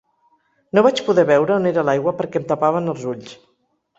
No vaig poder veure on era l’aigua perquè em tapaven els ulls.